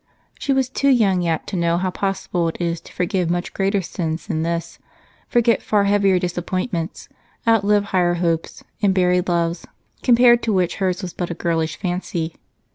She was too young yet to know how possible it is to forgive much greater sins than this, forget far heavier disappointments, outlive higher hopes, and bury loves compared to which hers was but a girlish fancy.